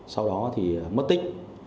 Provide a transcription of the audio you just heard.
sau đó thì mất tích